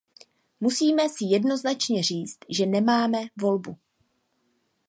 Musíme si jednoznačně říct, že nemáme volbu.